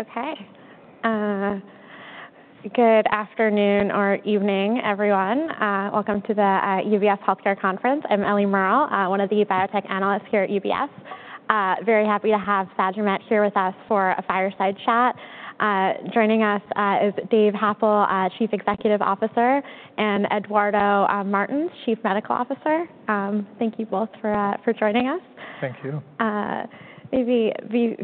Okay. Good afternoon or evening, everyone. Welcome to the UBS Healthcare Conference. I'm Eliana Merle, one of the Biotech Analyst here at UBS. Very happy to have Sagimet here with us for a fireside chat. Joining us is David Happel, Chief Executive Officer, and Eduardo Martins, Chief Medical Officer. Thank you both for joining us. Thank you. Maybe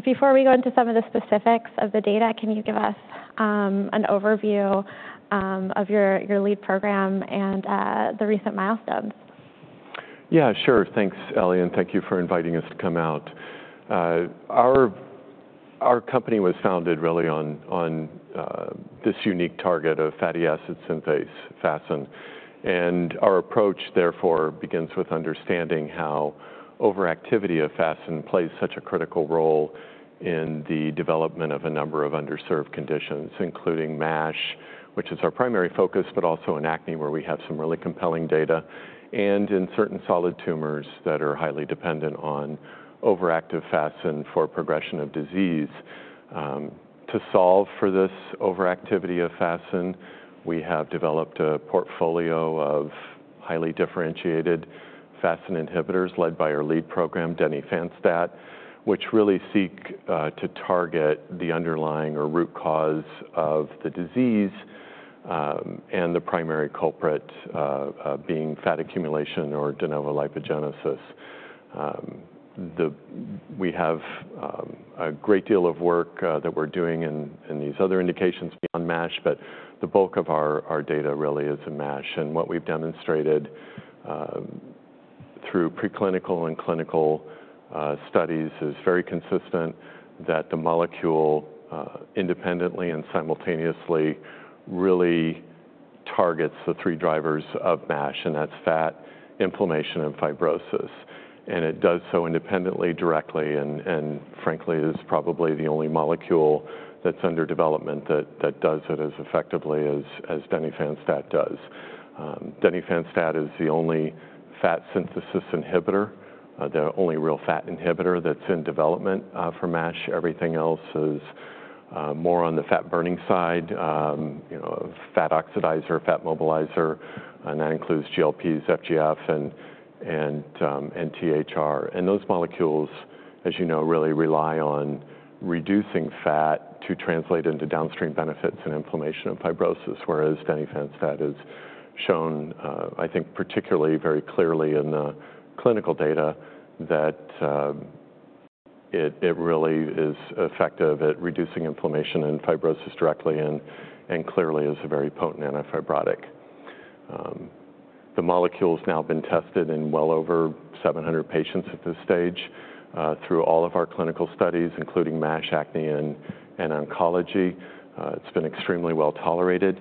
before we go into some of the specifics of the data, can you give us an overview of your lead program and the recent milestones? Yeah, sure. Thanks, Ellie, and thank you for inviting us to come out. Our company was founded really on this unique target of fatty acid synthase, FASN. Our approach, therefore, begins with understanding how overactivity of FASN plays such a critical role in the development of a number of underserved conditions, including MASH, which is our primary focus, but also in acne, where we have some really compelling data, and in certain solid tumors that are highly dependent on overactive FASN for progression of disease. To solve for this overactivity of FASN, we have developed a portfolio of highly differentiated FASN inhibitors led by our lead program, denifanstat, which really seek to target the underlying or root cause of the disease and the primary culprit being fat accumulation or de novo lipogenesis. We have a great deal of work that we're doing in these other indications beyond MASH, but the bulk of our data really is in MASH, and what we've demonstrated through preclinical and clinical studies is very consistent that the molecule independently and simultaneously really targets the three drivers of MASH, and that's fat, inflammation, and fibrosis, and it does so independently, directly, and frankly, is probably the only molecule that's under development that does it as effectively as denifanstat does. Denifanstat is the only fat synthesis inhibitor, the only real fat inhibitor that's in development for MASH. Everything else is more on the fat burning side, fat oxidizer, fat mobilizer, and that includes GLPs, FGF, and THR. Those molecules, as you know, really rely on reducing fat to translate into downstream benefits and inflammation and fibrosis, whereas denifanstat has shown, I think particularly very clearly in the clinical data, that it really is effective at reducing inflammation and fibrosis directly and clearly is a very potent antifibrotic. The molecule has now been tested in well over 700 patients at this stage through all of our clinical studies, including MASH, acne, and oncology. It's been extremely well tolerated,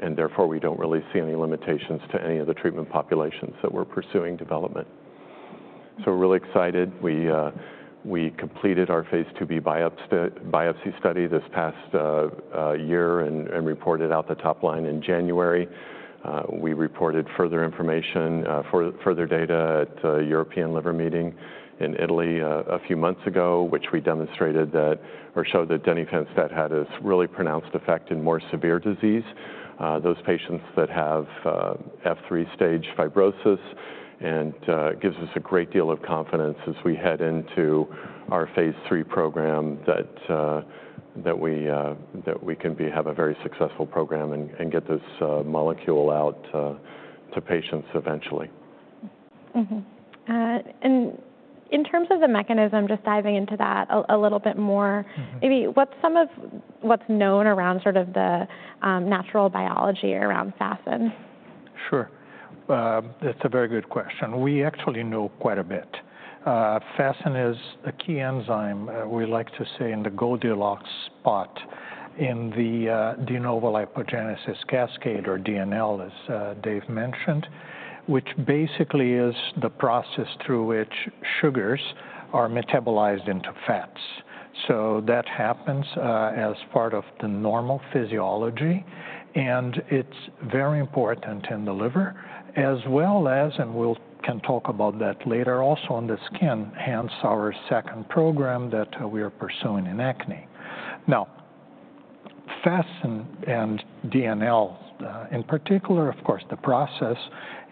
and therefore we don't really see any limitations to any of the treatment populations that we're pursuing development. We're really excited. We completed our phase II-B biopsy study this past year and reported out the top line in January. We reported further information, further data at the European liver meeting in Italy a few months ago, which we demonstrated that or showed that denifanstat had a really pronounced effect in more severe disease. Those patients that have F3 stage fibrosis, and it gives us a great deal of confidence as we head into our phase III program that we can have a very successful program and get this molecule out to patients eventually. In terms of the mechanism, just diving into that a little bit more, maybe what's some of what's known around sort of the natural biology around FASN? Sure. That's a very good question. We actually know quite a bit. FASN is a key enzyme, we like to say, in the Goldilocks spot in the de novo lipogenesis cascade, or DNL, as Dave mentioned, which basically is the process through which sugars are metabolized into fats. So that happens as part of the normal physiology, and it's very important in the liver, as well as, and we'll talk about that later, also in the skin, hence our second program that we are pursuing in acne. Now, FASN and DNL in particular, of course, the process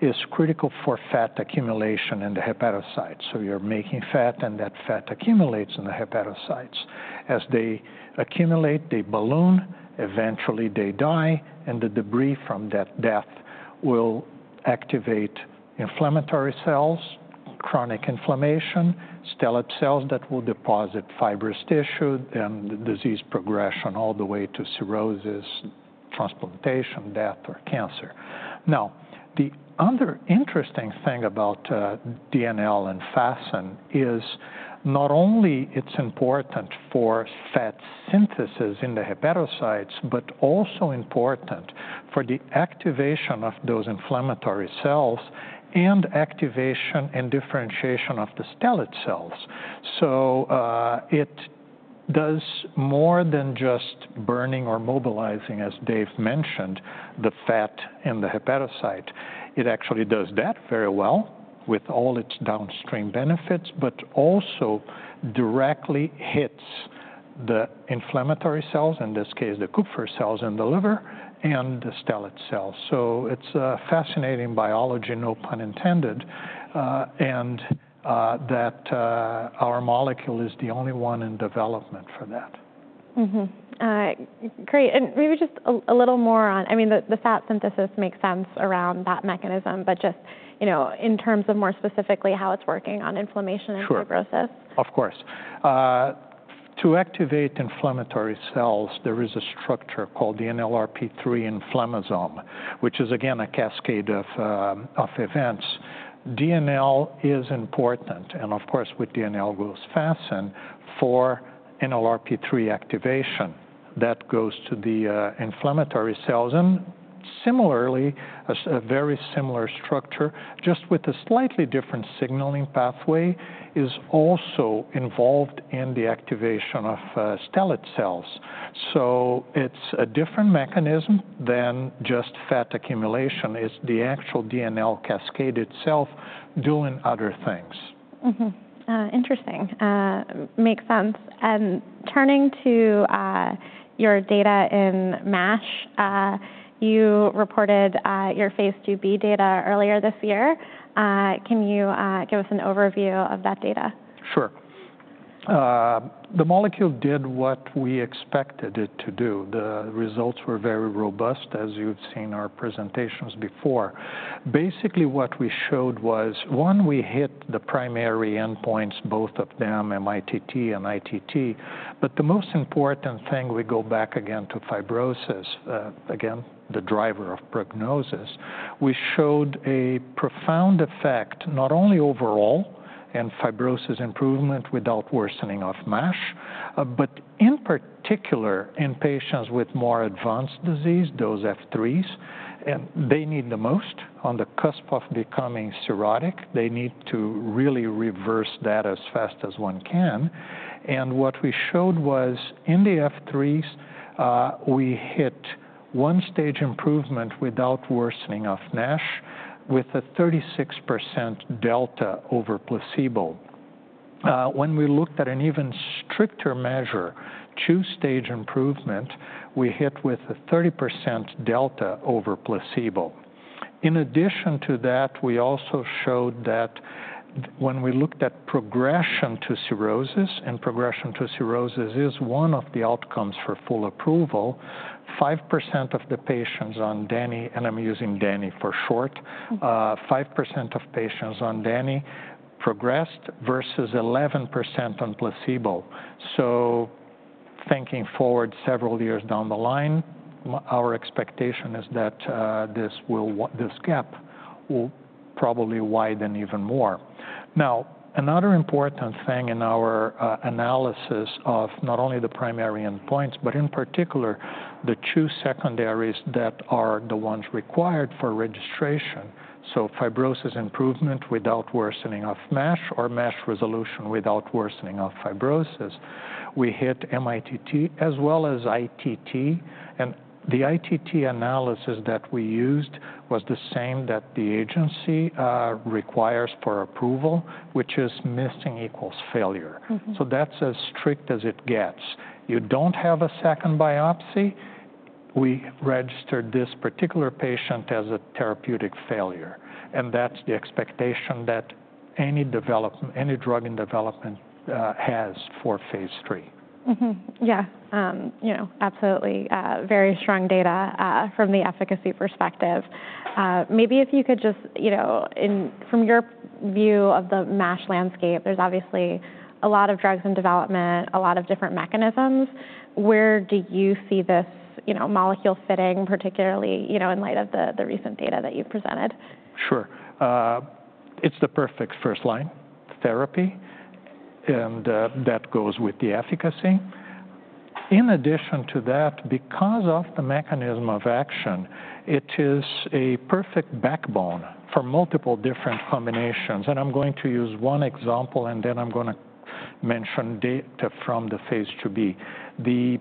is critical for fat accumulation in the hepatocytes. So you're making fat, and that fat accumulates in the hepatocytes. As they accumulate, they balloon, eventually they die, and the debris from that death will activate inflammatory cells, chronic inflammation, stellate cells that will deposit fibrous tissue, then the disease progression all the way to cirrhosis, transplantation, death, or cancer. Now, the other interesting thing about DNL and FASN is not only it's important for fat synthesis in the hepatocytes, but also important for the activation of those inflammatory cells and activation and differentiation of the stellate cells. So it does more than just burning or mobilizing, as Dave mentioned, the fat in the hepatocyte. It actually does that very well with all its downstream benefits, but also directly hits the inflammatory cells, in this case, the Kupffer cells in the liver and the stellate cells. So it's a fascinating biology, no pun intended, and that our molecule is the only one in development for that. Great, and maybe just a little more on, I mean, the fat synthesis makes sense around that mechanism, but just in terms of more specifically how it's working on inflammation and fibrosis? Sure. Of course. To activate inflammatory cells, there is a structure called the NLRP3 inflammasome, which is again a cascade of events. DNL is important, and of course, with DNL goes FASN for NLRP3 activation that goes to the inflammatory cells. And similarly, a very similar structure, just with a slightly different signaling pathway, is also involved in the activation of stellate cells. So it's a different mechanism than just fat accumulation. It's the actual DNL cascade itself doing other things. Interesting. Makes sense. And turning to your data in MASH, you reported your phase II-B data earlier this year. Can you give us an overview of that data? Sure. The molecule did what we expected it to do. The results were very robust, as you've seen our presentations before. Basically, what we showed was, one, we hit the primary endpoints, both of them, MITT and ITT, but the most important thing, we go back again to fibrosis, again, the driver of prognosis. We showed a profound effect, not only overall and fibrosis improvement without worsening of MASH, but in particular in patients with more advanced disease, those F3s, and they need the most on the cusp of becoming cirrhotic. They need to really reverse that as fast as one can. And what we showed was in the F3s, we hit one stage improvement without worsening of MASH with a 36% delta over placebo. When we looked at an even stricter measure, two stage improvement, we hit with a 30% delta over placebo. In addition to that, we also showed that when we looked at progression to cirrhosis, and progression to cirrhosis is one of the outcomes for full approval, 5% of the patients on Deni, and I'm using Deni for short, 5% of patients on Deni progressed versus 11% on placebo. So thinking forward several years down the line, our expectation is that this gap will probably widen even more. Now, another important thing in our analysis of not only the primary endpoints, but in particular the two secondaries that are the ones required for registration, so fibrosis improvement without worsening of MASH or MASH resolution without worsening of fibrosis, we hit MITT as well as ITT. And the ITT analysis that we used was the same that the agency requires for approval, which is missing equals failure. So that's as strict as it gets. You don't have a second biopsy, we register this particular patient as a therapeutic failure, and that's the expectation that any drug in development has for phase III. Yeah. Absolutely. Very strong data from the efficacy perspective. Maybe if you could just, from your view of the MASH landscape, there's obviously a lot of drugs in development, a lot of different mechanisms. Where do you see this molecule fitting, particularly in light of the recent data that you've presented? Sure. It's the perfect first line therapy, and that goes with the efficacy. In addition to that, because of the mechanism of action, it is a perfect backbone for multiple different combinations. And I'm going to use one example, and then I'm going to mention data from the phase II-B. The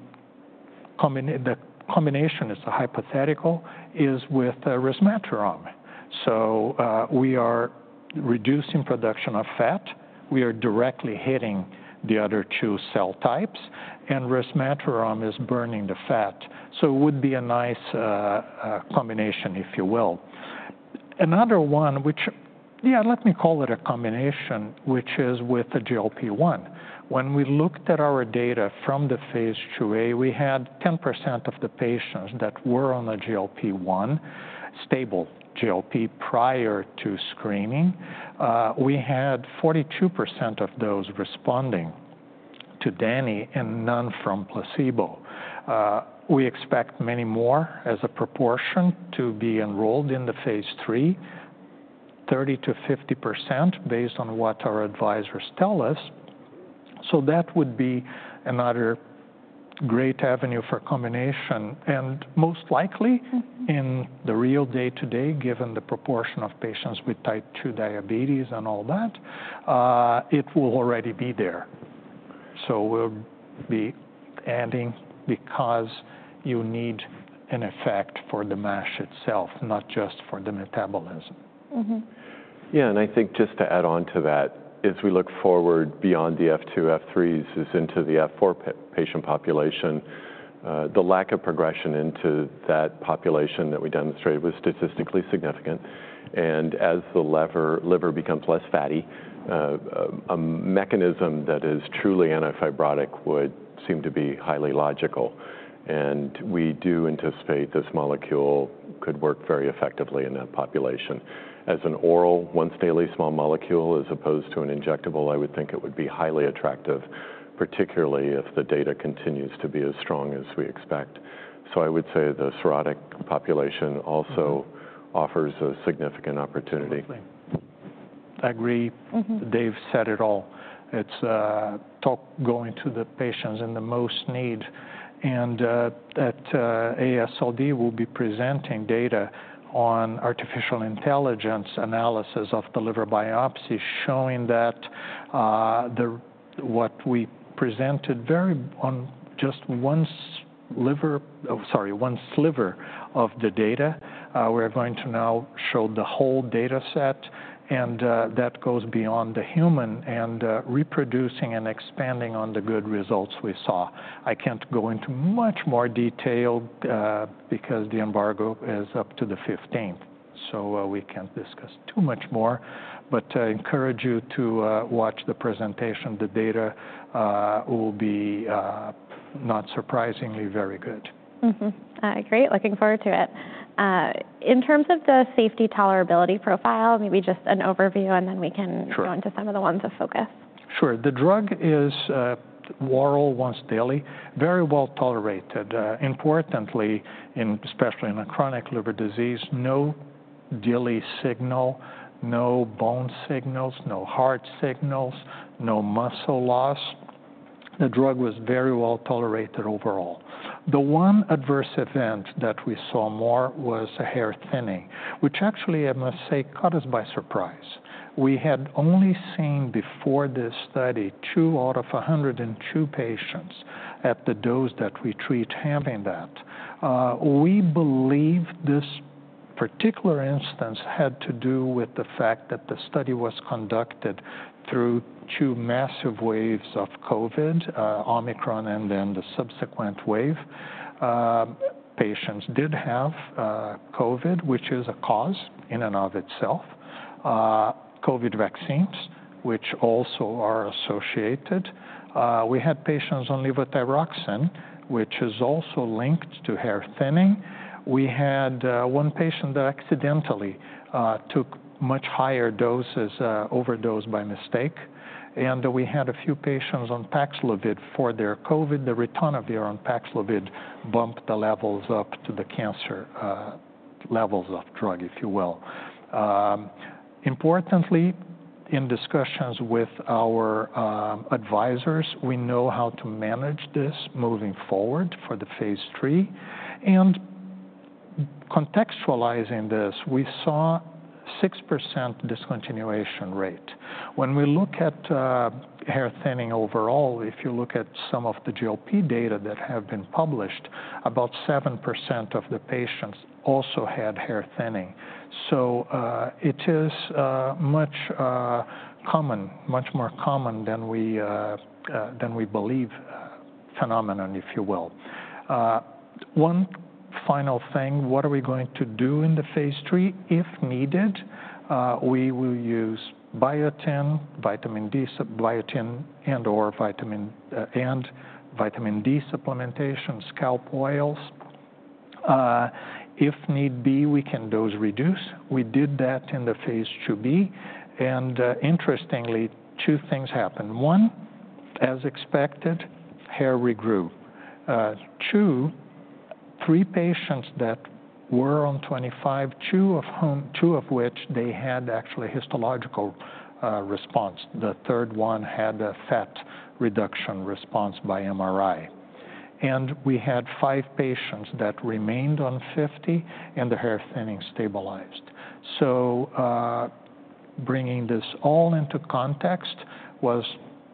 combination is a hypothetical, is with resmetirom. So we are reducing production of fat. We are directly hitting the other two cell types, and resmetirom is burning the fat. So it would be a nice combination, if you will. Another one, which, yeah, let me call it a combination, which is with the GLP-1. When we looked at our data from the phase II-A, we had 10% of the patients that were on the GLP-1, stable GLP-1 prior to screening. We had 42% of those responding to denifanstat and none from placebo. We expect many more as a proportion to be enrolled in the phase III, 30%-50% based on what our advisors tell us. So that would be another great avenue for combination. And most likely, in the real day-to-day, given the proportion of patients with type II diabetes and all that, it will already be there. So we'll be adding because you need an effect for the MASH itself, not just for the metabolism. Yeah. And I think just to add on to that, as we look forward beyond the F2, F3s is into the F4 patient population, the lack of progression into that population that we demonstrated was statistically significant. And as the liver becomes less fatty, a mechanism that is truly antifibrotic would seem to be highly logical. And we do anticipate this molecule could work very effectively in that population. As an oral, once daily small molecule, as opposed to an injectable, I would think it would be highly attractive, particularly if the data continues to be as strong as we expect. So I would say the cirrhotic population also offers a significant opportunity. I agree. Dave said it all. It's targeted going to the patients in the most need. And at AASLD, we'll be presenting data on artificial intelligence analysis of the liver biopsy showing that what we presented earlier on just one sliver of the data, we're going to now show the whole data set, and that goes beyond the human eye and reproducing and expanding on the good results we saw. I can't go into much more detail because the embargo is up to the 15th, so we can't discuss too much more, but encourage you to watch the presentation. The data will be, not surprisingly, very good. Great. Looking forward to it. In terms of the safety tolerability profile, maybe just an overview, and then we can go into some of the ones of focus. Sure. The drug is oral, once daily, very well tolerated. Importantly, especially in a chronic liver disease, no DILI signal, no bone signals, no heart signals, no muscle loss. The drug was very well tolerated overall. The one adverse event that we saw more was hair thinning, which actually, I must say, caught us by surprise. We had only seen before this study two out of 102 patients at the dose that we treat having that. We believe this particular instance had to do with the fact that the study was conducted through two massive waves of COVID, Omicron, and then the subsequent wave. Patients did have COVID, which is a cause in and of itself, COVID vaccines, which also are associated. We had patients on levothyroxine, which is also linked to hair thinning. We had one patient that accidentally took much higher doses, overdose by mistake. And we had a few patients on Paxlovid for their COVID. The ritonavir on Paxlovid bumped the levels up to the cancer levels of drug, if you will. Importantly, in discussions with our advisors, we know how to manage this moving forward for the phase III. And contextualizing this, we saw a 6% discontinuation rate. When we look at hair thinning overall, if you look at some of the GLP data that have been published, about 7% of the patients also had hair thinning. So it is much common, much more common than we believe phenomenon, if you will. One final thing, what are we going to do in the phase III? If needed, we will use biotin, vitamin D, biotin and/or vitamin D supplementation, scalp oils. If need be, we can dose reduce. We did that in the phase II-B. And interestingly, two things happened. One, as expected, hair regrew. Two, three patients that were on 25, two of which they had actually a histological response. The third one had a fat reduction response by MRI. And we had five patients that remained on 50, and the hair thinning stabilized. So bringing this all into context was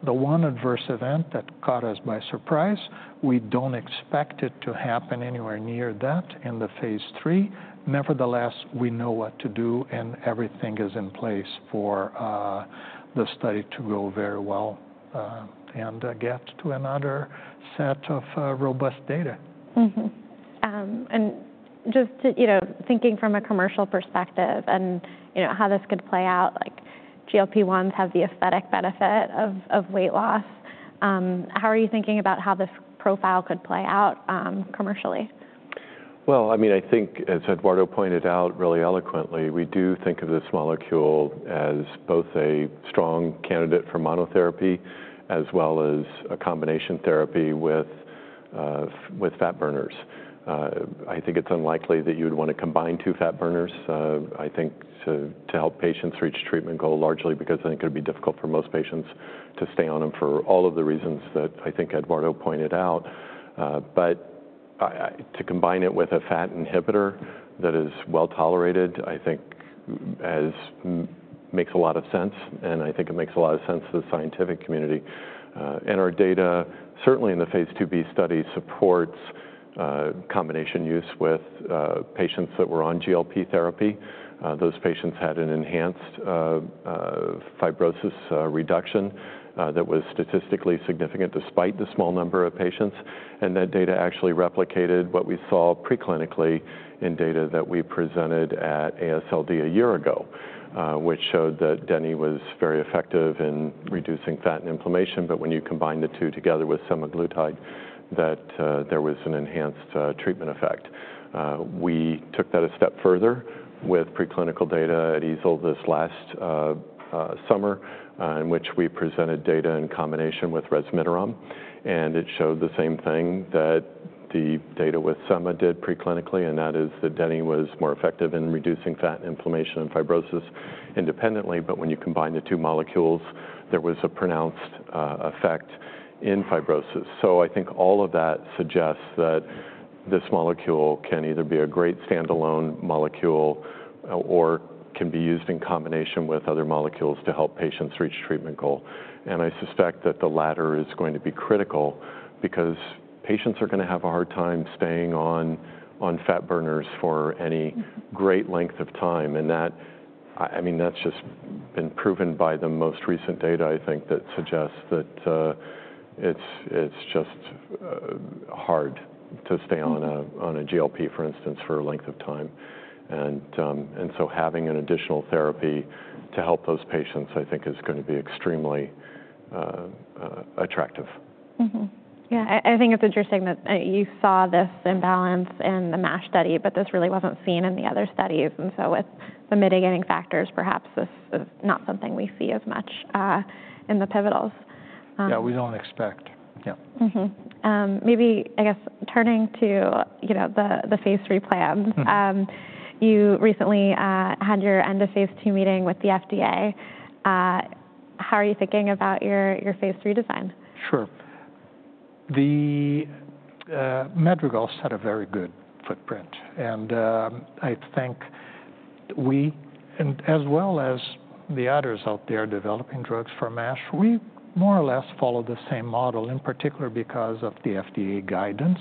the one adverse event that caught us by surprise. We don't expect it to happen anywhere near that in the phase III. Nevertheless, we know what to do, and everything is in place for the study to go very well and get to another set of robust data. Just thinking from a commercial perspective and how this could play out, GLP-1s have the aesthetic benefit of weight loss. How are you thinking about how this profile could play out commercially? I mean, I think, as Eduardo pointed out really eloquently, we do think of this molecule as both a strong candidate for monotherapy as well as a combination therapy with fat burners. I think it's unlikely that you'd want to combine two fat burners, I think, to help patients reach treatment goal largely because I think it'd be difficult for most patients to stay on them for all of the reasons that I think Eduardo pointed out. But to combine it with a fat inhibitor that is well tolerated, I think makes a lot of sense. And I think it makes a lot of sense to the scientific community. And our data, certainly in the phase II-B study, supports combination use with patients that were on GLP therapy. Those patients had an enhanced fibrosis reduction that was statistically significant despite the small number of patients. That data actually replicated what we saw preclinically in data that we presented at AASLD a year ago, which showed that denifanstat was very effective in reducing fat and inflammation. But when you combine the two together with semaglutide, that there was an enhanced treatment effect. We took that a step further with preclinical data at EASL this last summer, in which we presented data in combination with resmetirom. It showed the same thing that the data with Sema did preclinically, and that is that denifanstat was more effective in reducing fat and inflammation and fibrosis independently. But when you combine the two molecules, there was a pronounced effect in fibrosis. That suggests that this molecule can either be a great standalone molecule or can be used in combination with other molecules to help patients reach treatment goal. I suspect that the latter is going to be critical because patients are going to have a hard time staying on fat burners for any great length of time. That, I mean, that's just been proven by the most recent data, I think, that suggests that it's just hard to stay on a GLP, for instance, for a length of time. Having an additional therapy to help those patients, I think, is going to be extremely attractive. Yeah. I think it's interesting that you saw this imbalance in the MASH study, but this really wasn't seen in the other studies. And so with the mitigating factors, perhaps this is not something we see as much in the pivotals. Yeah. We don't expect. Yeah. Maybe, I guess, turning to the phase III plans, you recently had your end of phase II meeting with the FDA. How are you thinking about your phase III design? Sure. The Madrigal set a very good footprint. And I think we, as well as the others out there developing drugs for MASH, we more or less follow the same model, in particular because of the FDA guidance.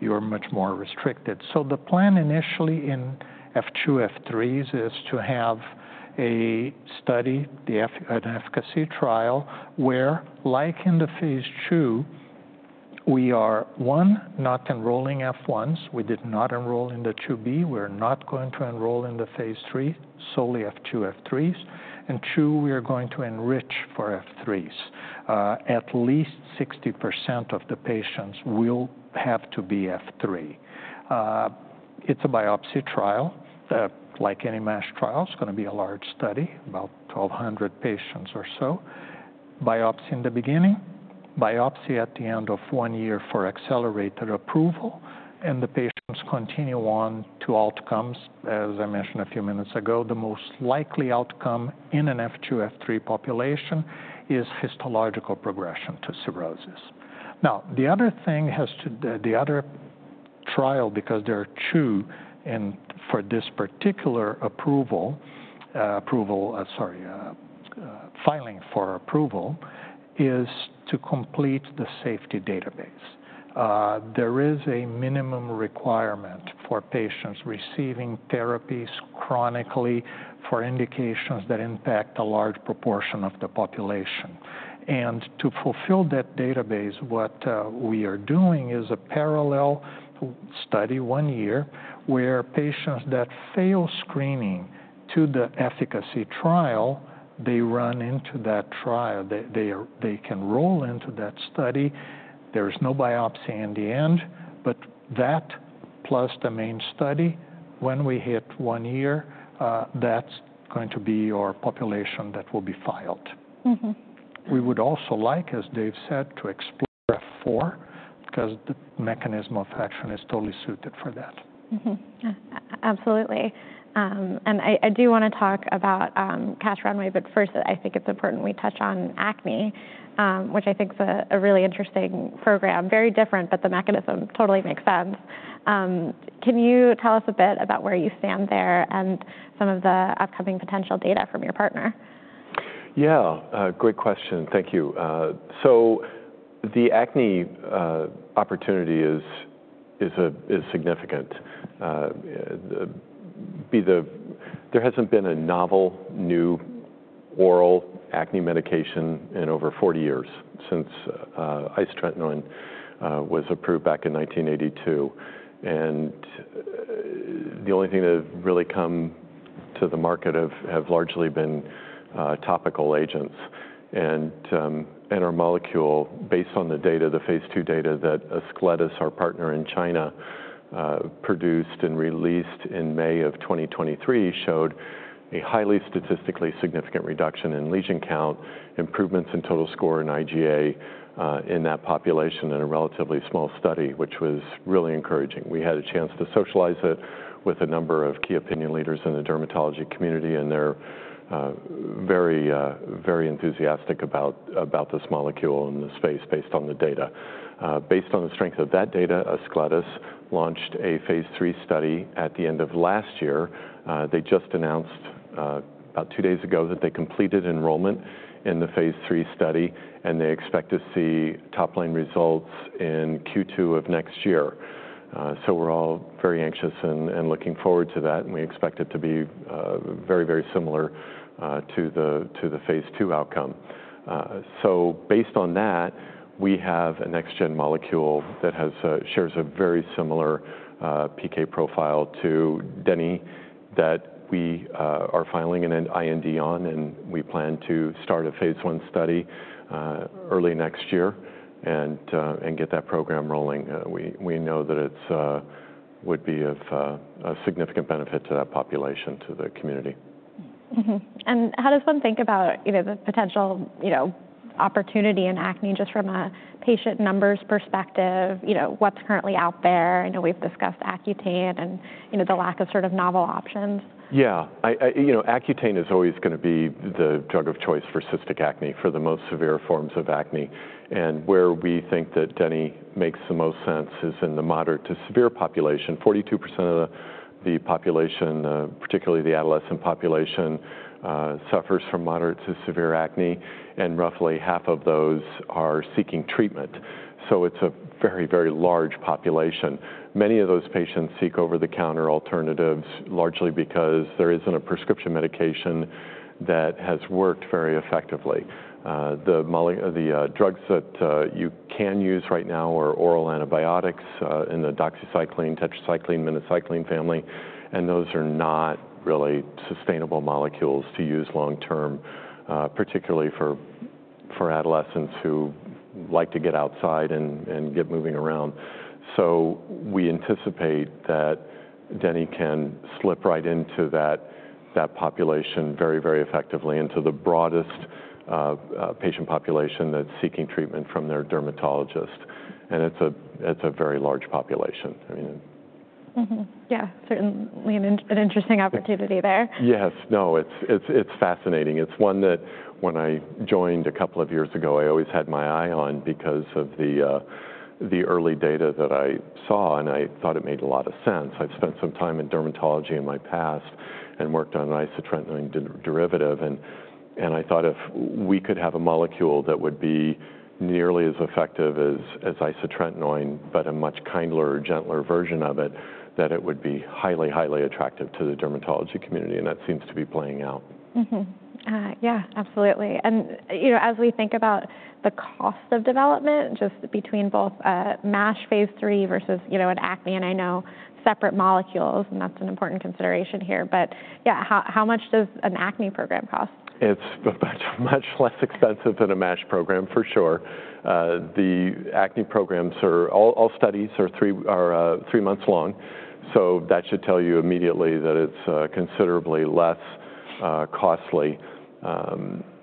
You are much more restricted. So the plan initially in F2, F3s is to have an efficacy trial where, like in the phase II, we are, one, not enrolling F1s. We did not enroll in the 2B. We're not going to enroll in the phase III, solely F2, F3s. And two, we are going to enrich for F3s. At least 60% of the patients will have to be F3. It's a biopsy trial. Like any MASH trial, it's going to be a large study, about 1,200 patients or so. Biopsy in the beginning, biopsy at the end of one year for accelerated approval, and the patients continue on to outcomes. As I mentioned a few minutes ago, the most likely outcome in an F2, F3 population is histological progression to cirrhosis. Now, the other thing has to the other trial, because there are two for this particular approval, filing for approval, is to complete the safety database. There is a minimum requirement for patients receiving therapies chronically for indications that impact a large proportion of the population. And to fulfill that database, what we are doing is a parallel study one year where patients that fail screening to the efficacy trial, they run into that trial. They can roll into that study. There is no biopsy in the end, but that plus the main study, when we hit one year, that's going to be our population that will be filed. We would also like, as Dave said, to explore F4 because the mechanism of action is totally suited for that. Absolutely. And I do want to talk about cash runway, but first, I think it's important we touch on acne, which I think is a really interesting program, very different, but the mechanism totally makes sense. Can you tell us a bit about where you stand there and some of the upcoming potential data from your partner? Yeah. Great question. Thank you. So the acne opportunity is significant. There hasn't been a novel new oral acne medication in over 40 years since isotretinoin was approved back in 1982. And the only thing that has really come to the market have largely been topical agents. And our molecule, based on the data, the phase II data that Ascletis, our partner in China, produced and released in May of 2023, showed a highly statistically significant reduction in lesion count, improvements in total score in IGA in that population in a relatively small study, which was really encouraging. We had a chance to socialize it with a number of key opinion leaders in the dermatology community, and they're very enthusiastic about this molecule in this space based on the data. Based on the strength of that data, Ascletis launched a phase III study at the end of last year. They just announced about two days ago that they completed enrollment in the phase III study, and they expect to see top-line results in Q2 of next year, so we're all very anxious and looking forward to that, and we expect it to be very, very similar to the phase II outcome, so based on that, we have a next-gen molecule that shares a very similar PK profile to denifanstat that we are filing an IND on, and we plan to start a phase I study early next year and get that program rolling. We know that it would be of significant benefit to that population, to the community. How does one think about the potential opportunity in acne just from a patient numbers perspective? What's currently out there? I know we've discussed Accutane and the lack of sort of novel options. Yeah. Accutane is always going to be the drug of choice for cystic acne for the most severe forms of acne, and where we think that Deni makes the most sense is in the moderate to severe population. 42% of the population, particularly the adolescent population, suffers from moderate to severe acne, and roughly half of those are seeking treatment, so it's a very, very large population. Many of those patients seek over-the-counter alternatives largely because there isn't a prescription medication that has worked very effectively. The drugs that you can use right now are oral antibiotics in the doxycycline, tetracycline, minocycline family, and those are not really sustainable molecules to use long-term, particularly for adolescents who like to get outside and get moving around, so we anticipate that Deni can slip right into that population very, very effectively into the broadest patient population that's seeking treatment from their dermatologist. It's a very large population. I mean. Yeah. Certainly an interesting opportunity there. Yes. No, it's fascinating. It's one that when I joined a couple of years ago, I always had my eye on because of the early data that I saw, and I thought it made a lot of sense. I've spent some time in dermatology in my past and worked on an isotretinoin derivative, and I thought if we could have a molecule that would be nearly as effective as isotretinoin, but a much kinder, gentler version of it, that it would be highly, highly attractive to the dermatology community, and that seems to be playing out. Yeah. Absolutely. And as we think about the cost of development just between both MASH phase III versus an acne, and I know separate molecules, and that's an important consideration here. But yeah, how much does an acne program cost? It's much less expensive than a MASH program, for sure. The acne programs, all studies are three months long. So that should tell you immediately that it's considerably less costly.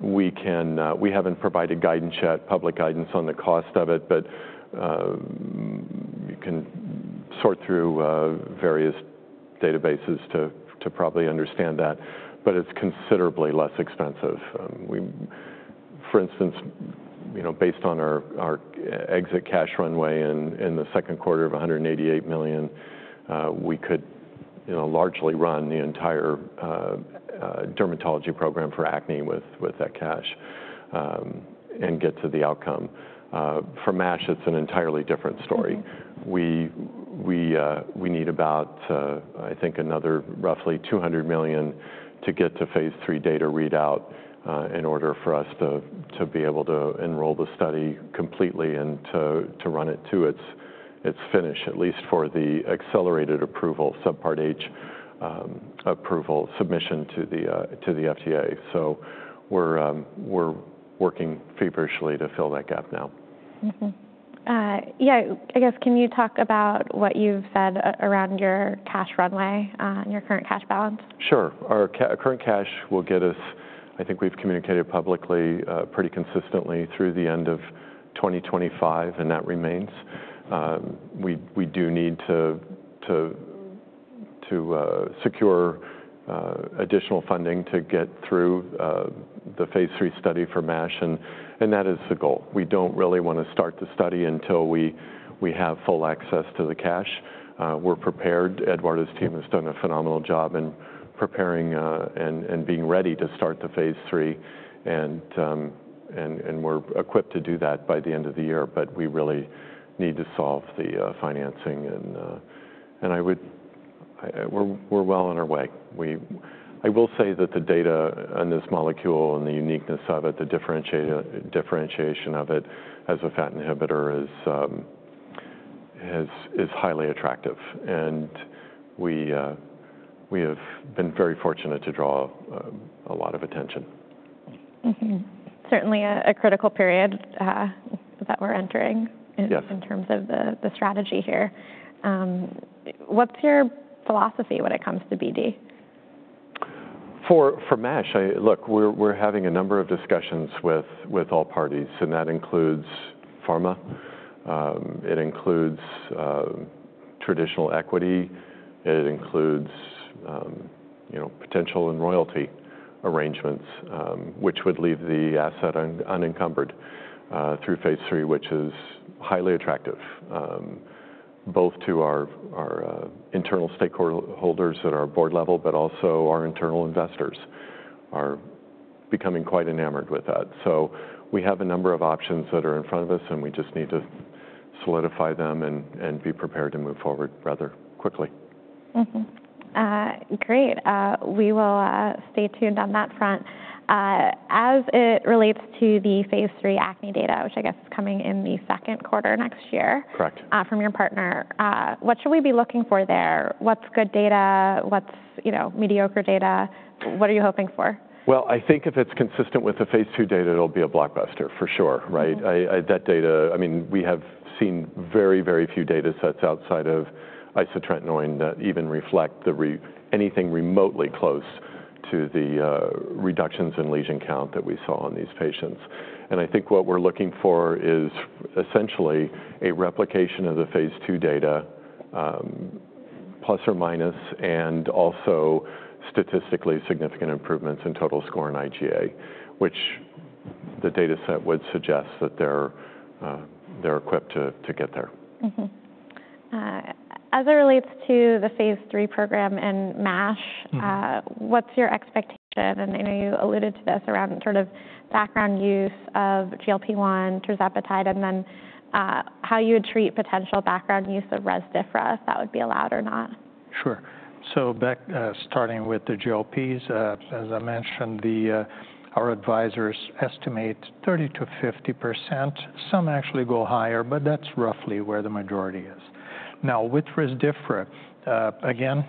We haven't provided guidance yet, public guidance on the cost of it, but you can sort through various databases to probably understand that. But it's considerably less expensive. For instance, based on our exit cash runway in the second quarter of $188 million, we could largely run the entire dermatology program for acne with that cash and get to the outcome. For MASH, it's an entirely different story. We need about, I think, another roughly $200 million to get to phase III data readout in order for us to be able to enroll the study completely and to run it to its finish, at least for the accelerated approval, Subpart H approval submission to the FDA. We're working feverishly to fill that gap now. Yeah. I guess, can you talk about what you've said around your cash runway and your current cash balance? Sure. Our current cash will get us. I think we've communicated publicly pretty consistently through the end of 2025, and that remains. We do need to secure additional funding to get through the phase III study for MASH, and that is the goal. We don't really want to start the study until we have full access to the cash. We're prepared. Eduardo's team has done a phenomenal job in preparing and being ready to start the phase III. And we're equipped to do that by the end of the year, but we really need to solve the financing. And we're well on our way. I will say that the data on this molecule and the uniqueness of it, the differentiation of it as a fat inhibitor is highly attractive. And we have been very fortunate to draw a lot of attention. Certainly a critical period that we're entering in terms of the strategy here. What's your philosophy when it comes to BD? For MASH, look, we're having a number of discussions with all parties, and that includes pharma. It includes traditional equity. It includes potential and royalty arrangements, which would leave the asset unencumbered through phase III, which is highly attractive both to our internal stakeholders at our board level, but also our internal investors are becoming quite enamored with that. So we have a number of options that are in front of us, and we just need to solidify them and be prepared to move forward rather quickly. Great. We will stay tuned on that front. As it relates to the phase III acne data, which I guess is coming in the second quarter next year from your partner, what should we be looking for there? What's good data? What's mediocre data? What are you hoping for? I think if it's consistent with the phase II data, it'll be a blockbuster for sure, right? I mean, we have seen very, very few data sets outside of isotretinoin that even reflect anything remotely close to the reductions in lesion count that we saw on these patients. I think what we're looking for is essentially a replication of the phase II data plus or minus and also statistically significant improvements in total score in IGA, which the data set would suggest that they're equipped to get there. As it relates to the phase III program and MASH, what's your expectation? And I know you alluded to this around sort of background use of GLP-1, tirzepatide, and then how you would treat potential background use of Rezdiffra if that would be allowed or not. Sure. So starting with the GLPs, as I mentioned, our advisors estimate 30%-50%. Some actually go higher, but that's roughly where the majority is. Now, with Rezdiffra, again,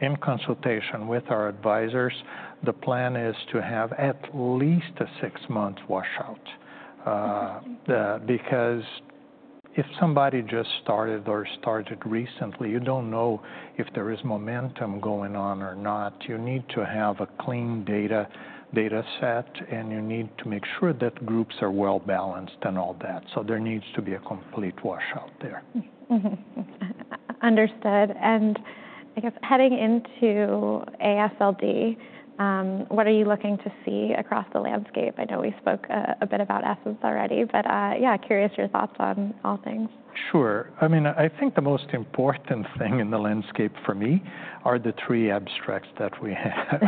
in consultation with our advisors, the plan is to have at least a six-month washout. Because if somebody just started or started recently, you don't know if there is momentum going on or not. You need to have a clean data set, and you need to make sure that groups are well balanced and all that. So there needs to be a complete washout there. Understood, and I guess heading into AASLD, what are you looking to see across the landscape? I know we spoke a bit about ESSENCE already, but yeah, curious your thoughts on all things. Sure. I mean, I think the most important thing in the landscape for me are the three abstracts that we have.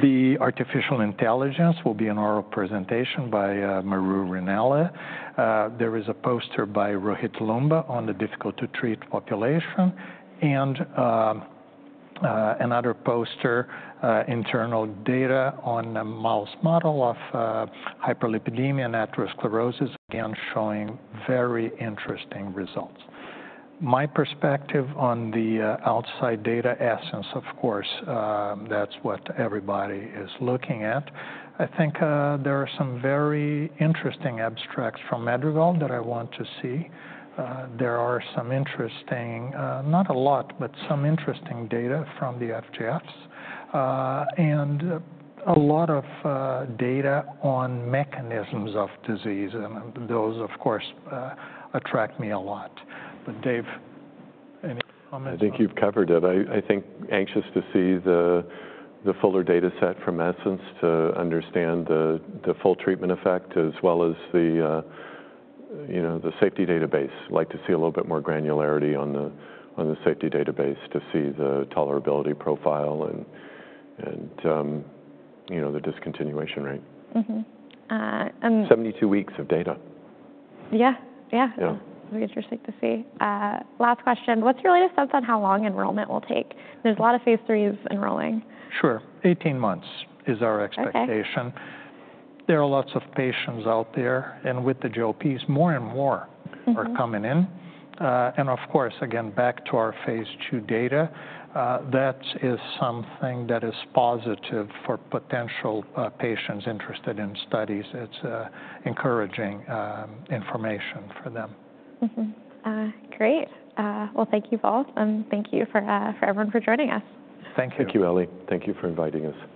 The artificial intelligence will be an oral presentation by Mary Rinella. There is a poster by Rohit Loomba on the difficult-to-treat population. And another poster, internal data on a mouse model of hyperlipidemia and atherosclerosis, again showing very interesting results. My perspective on the outside data, ESSENCE, of course, that's what everybody is looking at. I think there are some very interesting abstracts from Madrigal that I want to see. There are some interesting, not a lot, but some interesting data from the FGFs. And a lot of data on mechanisms of disease. And those, of course, attract me a lot. But Dave, any comments? I think you've covered it. I'm anxious to see the fuller data set from ESSENCE to understand the full treatment effect as well as the safety database. I'd like to see a little bit more granularity on the safety database to see the tolerability profile and the discontinuation rate. 72 weeks of data. Yeah. Yeah. It'll be interesting to see. Last question. What's your latest sense on how long enrollment will take? There's a lot of phase III enrolling. Sure. 18 months is our expectation. Okay. There are lots of patients out there. And with the GLPs, more and more are coming in. And of course, again, back to our phase II data, that is something that is positive for potential patients interested in studies. It's encouraging information for them. Great. Thank you all and thank you for everyone for joining us. Thank you. Thank you, Ellie. Thank you for inviting us.